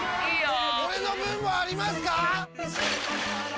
俺の分もありますか！？